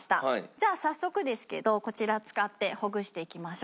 じゃあ早速ですけどこちら使ってほぐしていきましょう。